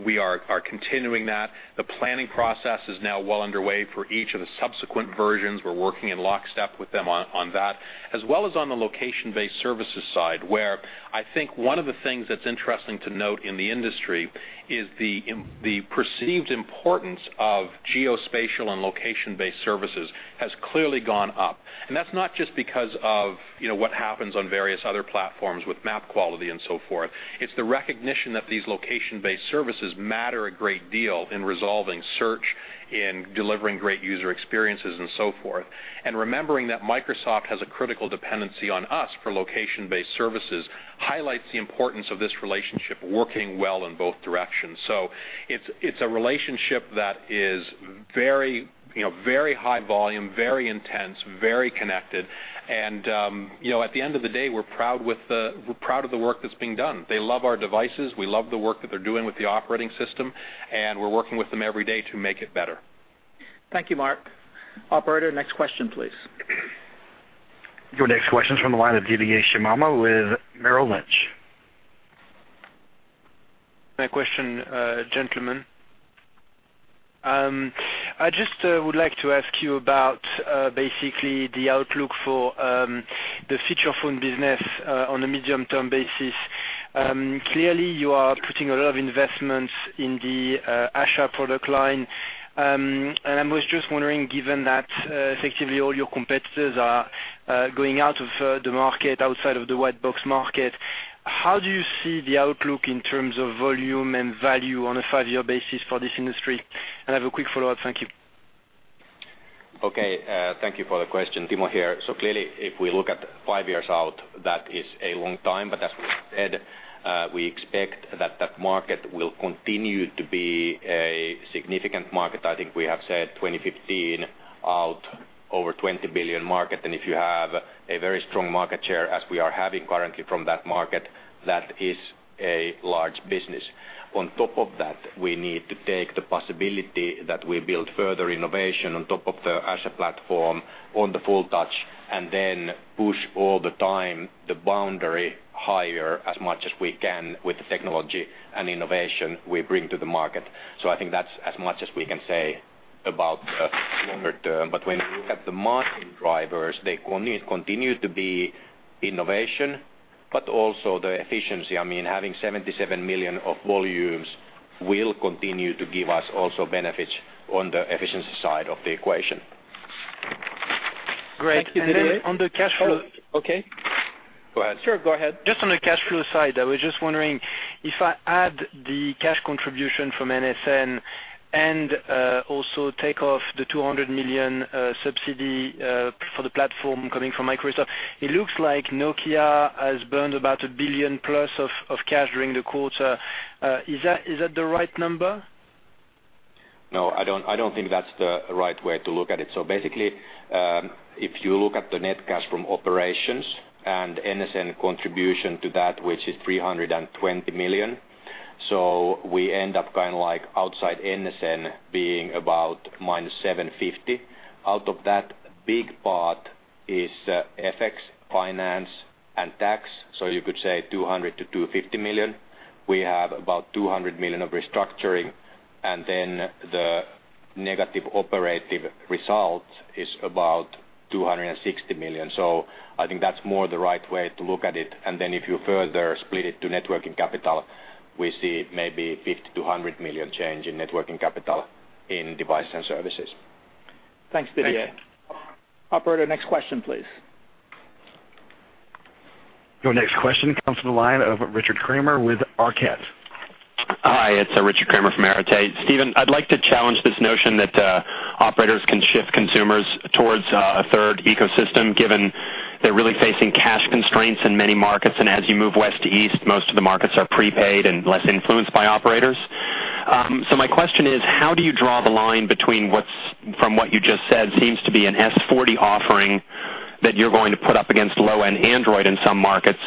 We are continuing that. The planning process is now well underway for each of the subsequent versions. We're working in lockstep with them on that, as well as on the location-based services side where I think one of the things that's interesting to note in the industry is the perceived importance of geospatial and location-based services has clearly gone up. That's not just because of what happens on various other platforms with map quality and so forth. It's the recognition that these location-based services matter a great deal in resolving search, in delivering great user experiences, and so forth. And remembering that Microsoft has a critical dependency on us for location-based services highlights the importance of this relationship working well in both directions. So it's a relationship that is very high volume, very intense, very connected. And at the end of the day, we're proud of the work that's being done. They love our devices. We love the work that they're doing with the operating system. And we're working with them every day to make it better. Thank you, Mark. Operator, next question, please. Your next question is from the line of Didier Scemama with Merrill Lynch. My question, gentlemen. I just would like to ask you about basically the outlook for the feature phone business on a medium-term basis. Clearly, you are putting a lot of investments in the Asha product line. And I was just wondering, given that effectively all your competitors are going out of the market, outside of the white box market, how do you see the outlook in terms of volume and value on a five-year basis for this industry? And I have a quick follow-up. Thank you. Okay. Thank you for the question. Timo here. So clearly, if we look at five years out, that is a long time. But as we said, we expect that that market will continue to be a significant market. I think we have said 2015 out over 20 billion market. And if you have a very strong market share as we are having currently from that market, that is a large business. On top of that, we need to take the possibility that we build further innovation on top of the Asha platform, on the full-touch, and then push all the time the boundary higher as much as we can with the technology and innovation we bring to the market. So I think that's as much as we can say about the longer term. But when you look at the marketing drivers, they continue to be innovation, but also the efficiency. I mean, having 77 million of volumes will continue to give us also benefits on the efficiency side of the equation. Great. And then on the cash flow. Okay. Go ahead. Sure. Go ahead. Just on the cash flow side, I was just wondering if I add the cash contribution from NSN and also take off the 200 million subsidy for the platform coming from Microsoft, it looks like Nokia has burned about 1 billion plus of cash during the quarter. Is that the right number? No. I don't think that's the right way to look at it. So basically, if you look at the net cash from operations and NSN contribution to that, which is 320 million, so we end up kind of outside NSN being about -750 million. Out of that, a big part is FX, finance, and tax. So you could say 200 million-250 million. We have about 200 million of restructuring. And then the negative operative result is about 260 million. So I think that's more the right way to look at it. And then if you further split it to net working capital, we see maybe 50 million-100 million change in net working capital in Devices and Services. Thanks, Didier. Operator, next question, please. Your next question comes from the line of Richard Kramer with Arete. Hi. It's Richard Kramer from Arete. Stephen, I'd like to challenge this notion that operators can shift consumers towards a third ecosystem given they're really facing cash constraints in many markets. And as you move West to East, most of the markets are prepaid and less influenced by operators. So my question is, how do you draw the line between from what you just said seems to be an S40 offering that you're going to put up against low-end Android in some markets,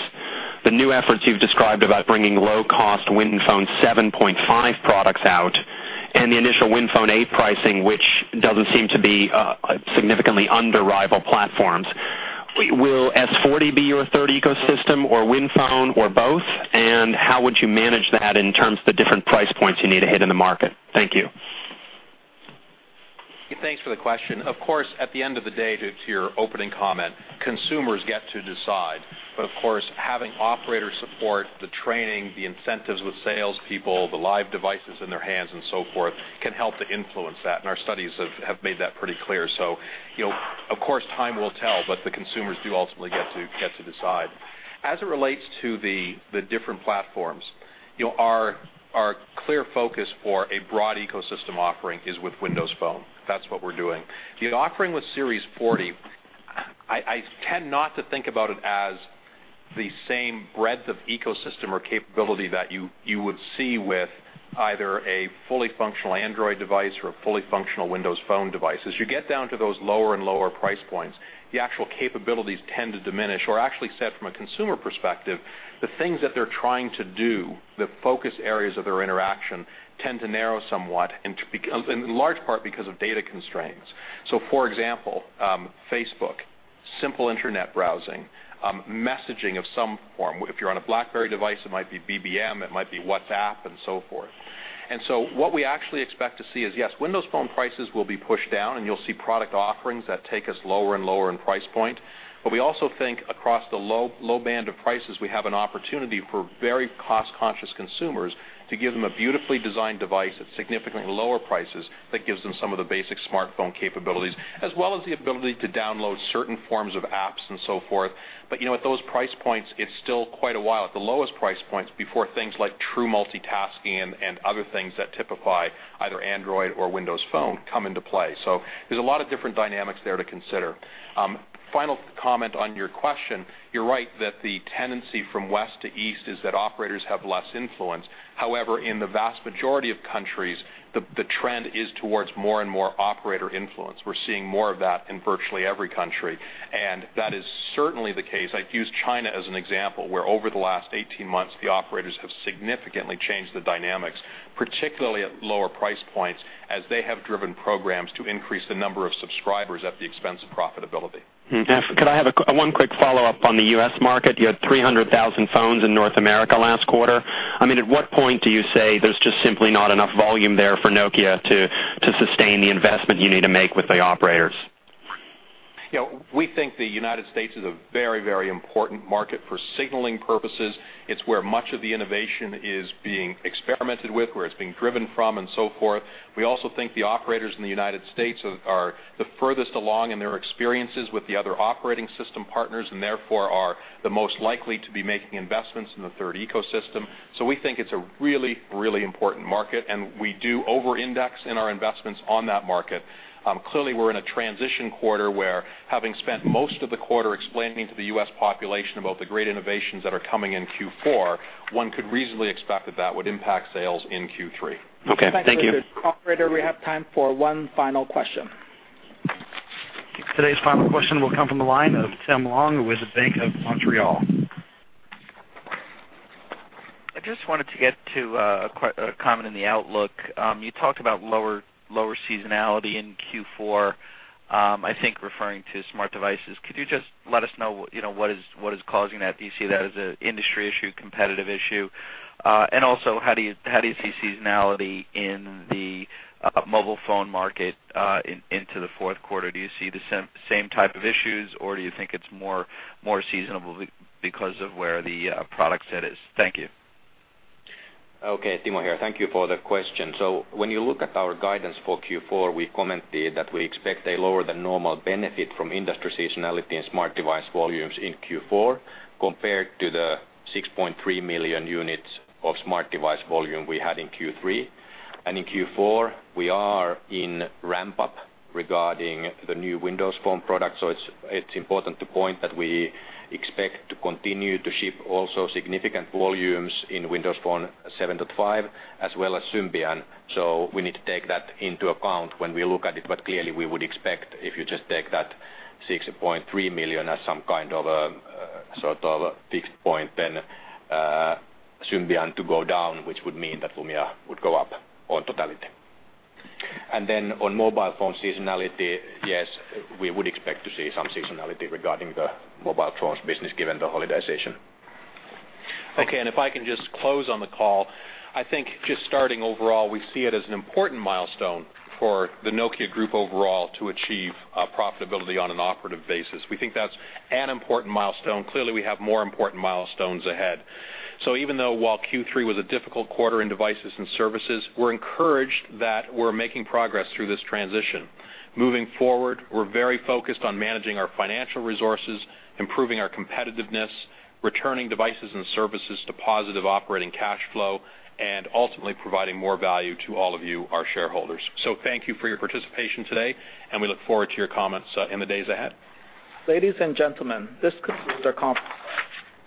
the new efforts you've described about bringing low-cost WinPhone 7.5 products out, and the initial WinPhone 8 pricing, which doesn't seem to be significantly under rival platforms? Will S40 be your third ecosystem or WinPhone or both? And how would you manage that in terms of the different price points you need to hit in the market? Thank you. Thanks for the question. Of course, at the end of the day, to your opening comment, consumers get to decide. But of course, having operator support, the training, the incentives with salespeople, the live devices in their hands, and so forth can help to influence that. And our studies have made that pretty clear. So of course, time will tell, but the consumers do ultimately get to decide. As it relates to the different platforms, our clear focus for a broad ecosystem offering is with Windows Phone. That's what we're doing. The offering with Series 40, I tend not to think about it as the same breadth of ecosystem or capability that you would see with either a fully functional Android device or a fully functional Windows Phone device. As you get down to those lower and lower price points, the actual capabilities tend to diminish. Or actually said from a consumer perspective, the things that they're trying to do, the focus areas of their interaction, tend to narrow somewhat, in large part because of data constraints. So for example, Facebook, simple internet browsing, messaging of some form. If you're on a BlackBerry device, it might be BBM. It might be WhatsApp and so forth. And so what we actually expect to see is, yes, Windows Phone prices will be pushed down, and you'll see product offerings that take us lower and lower in price point. But we also think across the low band of prices, we have an opportunity for very cost-conscious consumers to give them a beautifully designed device at significantly lower prices that gives them some of the basic smartphone capabilities, as well as the ability to download certain forms of apps and so forth. But at those price points, it's still quite a while, at the loWest price points, before things like true multitasking and other things that typify either Android or Windows Phone come into play. So there's a lot of different dynamics there to consider. Final comment on your question. You're right that the tendency from West to East is that operators have less influence. However, in the vast majority of countries, the trend is towards more and more operator influence. We're seeing more of that in virtually every country. And that is certainly the case. I'd use China as an example where over the last 18 months, the operators have significantly changed the dynamics, particularly at lower price points as they have driven programs to increase the number of subscribers at the expense of profitability. Could I have one quick follow-up on the U.S. market? You had 300,000 phones in North America last quarter. I mean, at what point do you say there's just simply not enough volume there for Nokia to sustain the investment you need to make with the operators? We think the United States is a very, very important market for signaling purposes. It's where much of the innovation is being experimented with, where it's being driven from and so forth. We also think the operators in the United States are the furthest along in their experiences with the other operating system partners and therefore are the most likely to be making investments in the third ecosystem. So we think it's a really, really important market. And we do over-index in our investments on that market. Clearly, we're in a transition quarter where having spent most of the quarter explaining to the U.S. population about the great innovations that are coming in Q4, one could reasonably expect that that would impact sales in Q3. Okay. Thank you. Operator, we have time for one final question. Today's final question will come from the line of Tim Long with the Bank of Montreal. I just wanted to get to a comment in the outlook. You talked about lower seasonality in Q4, I think referring to Smart Devices. Could you just let us know what is causing that? Do you see that as an industry issue, competitive issue? And also, how do you see seasonality in the mobile phone market into the fourth quarter? Do you see the same type of issues, or do you think it's more seasonal because of where the product set is? Thank you. Okay. Timo here. Thank you for the question. So when you look at our guidance for Q4, we commented that we expect a lower than normal benefit from industry seasonality in smart device volumes in Q4 compared to the 6.3 million units of smart device volume we had in Q3. In Q4, we are in ramp-up regarding the new Windows Phone product. So it's important to point that we expect to continue to ship also significant volumes in Windows Phone 7.5 as well as Symbian. So we need to take that into account when we look at it. But clearly, we would expect if you just take that 6.3 million as some kind of sort of fixed point, then Symbian to go down, which would mean that Lumia would go up on totality. And then on mobile phone seasonality, yes, we would expect to see some seasonality regarding the Mobile Phones business given the holiday season. Okay. And if I can just close on the call, I think just starting overall, we see it as an important milestone for the Nokia Group overall to achieve profitability on an operative basis. We think that's an important milestone. Clearly, we have more important milestones ahead. So even though while Q3 was a difficult quarter in Devices and Services, we're encouraged that we're making progress through this transition. Moving forward, we're very focused on managing our financial resources, improving our competitiveness, returning Devices and Services to positive operating cash flow, and ultimately providing more value to all of you, our shareholders. So thank you for your participation today. And we look forward to your comments in the days ahead. Ladies and gentlemen, this concludes our conference.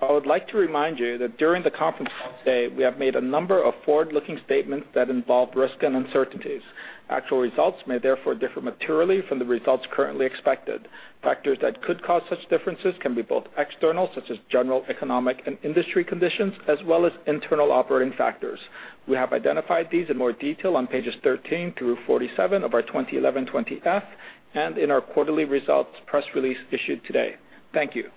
I would like to remind you that during the conference today, we have made a number of forward-looking statements that involve risk and uncertainties. Actual results may therefore differ materially from the results currently expected. Factors that could cause such differences can be both external, such as general economic and industry conditions, as well as internal operating factors. We have identified these in more detail on pages 13-47 of our 2011 20-F and in our quarterly results press release issued today. Thank you.